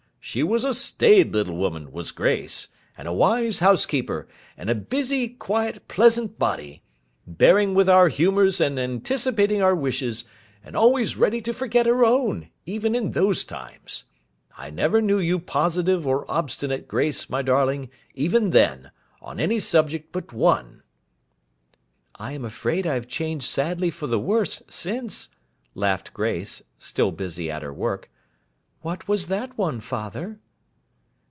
'She was a staid little woman, was Grace, and a wise housekeeper, and a busy, quiet, pleasant body; bearing with our humours and anticipating our wishes, and always ready to forget her own, even in those times. I never knew you positive or obstinate, Grace, my darling, even then, on any subject but one.' 'I am afraid I have changed sadly for the worse, since,' laughed Grace, still busy at her work. 'What was that one, father?